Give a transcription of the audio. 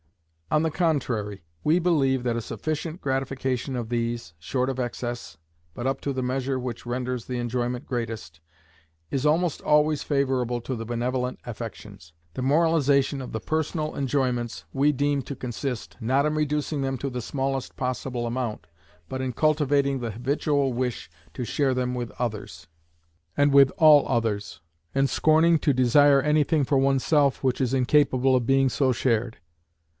On the contrary, we believe that a sufficient gratification of these, short of excess, but up to the measure which renders the enjoyment greatest, is almost always favourable to the benevolent affections. The moralization of the personal enjoyments we deem to consist, not in reducing them to the smallest possible amount, but in cultivating the habitual wish to share them with others, and with all others, and scorning to desire anything for oneself which is incapable of being so shared.